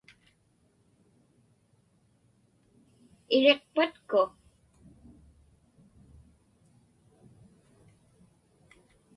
Iriqpatku?